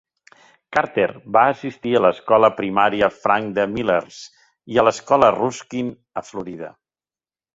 Carter va assistir a l'Escola Primària Frank D. Milers i a l'Escola Ruskin a Florida.